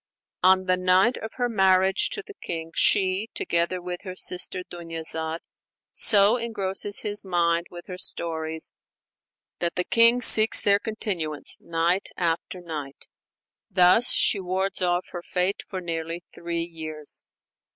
On the night of her marriage to the king, she, together with her sister Dunyazad, so engrosses his mind with her stories that the king seeks their continuance night after night; thus she wards off her fate for nearly three years.